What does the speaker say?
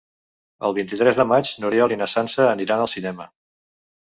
El vint-i-tres de maig n'Oriol i na Sança aniran al cinema.